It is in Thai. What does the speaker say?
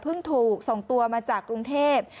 ถูกส่งตัวมาจากกรุงเทพ